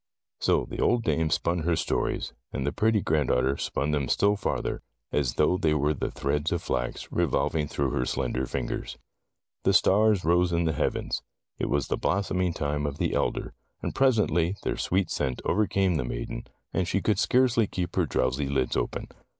So the old dame spun her stories, and the pretty grand daughter spun them still farther, as though they were the threads of flax revolving through her slender fingers. The stars rose in the heavens. It was the blossoming time of the elder, and presently their sweet scent overcame the maiden, and she could scarcely keep her drowsy lids open.